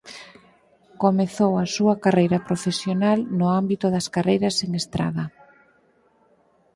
Comezou a súa carreira profesional no ámbito das carreiras en estrada.